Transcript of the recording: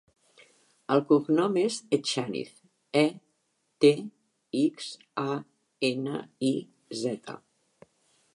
El cognom és Etxaniz: e, te, ics, a, ena, i, zeta.